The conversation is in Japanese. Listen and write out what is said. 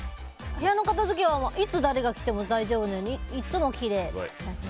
部屋の片づけはいつ誰が来ても大丈夫なようにいつもきれい。